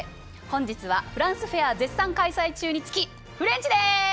本日はフランスフェア絶賛開催中につきフレンチです！